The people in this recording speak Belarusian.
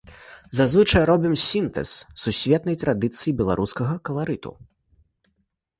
Зазвычай, робім сінтэз сусветнай традыцыі і беларускага каларыту.